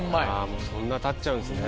もうそんなたっちゃうんですね。